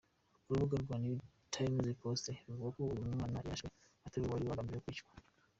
Urubuga rwa New Time Post ruvuga ko uyu mwana yarashwa atariwe wari wagambiriwe kwicwa.